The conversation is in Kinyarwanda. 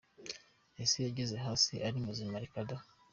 Ese yageze hasi ari muzima? Reka da!.